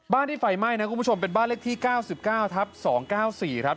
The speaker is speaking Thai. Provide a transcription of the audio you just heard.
ที่ไฟไหม้นะคุณผู้ชมเป็นบ้านเลขที่๙๙ทับ๒๙๔ครับ